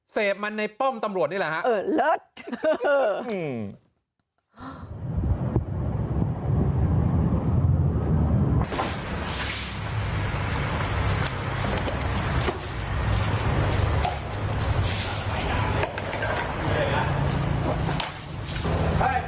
เสพมันในป้อมตำรวจนี่แหละฮะ